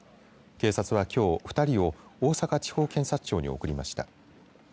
警察はきょう２人を大阪地方検察庁に送りました。